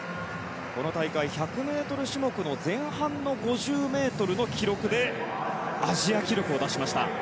この大会、１００ｍ種目の前半の５０ｍの記録でアジア記録を出しました。